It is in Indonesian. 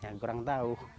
ya kurang tahu